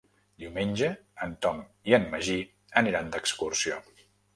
Diumenge en Tom i en Magí aniran d'excursió.